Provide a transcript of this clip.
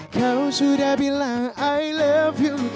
kau sudah bilang i love you